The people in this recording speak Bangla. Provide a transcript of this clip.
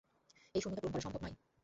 এই শূন্যতা পূরণ করা সম্ভব নয়।